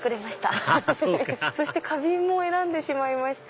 アハハそうか花瓶も選んでしまいました